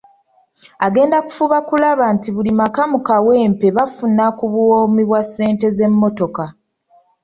Agenda kufuba okulaba nti buli maka mu Kawempe bafuna ku buwoomi bwa ssente z’emmotoka.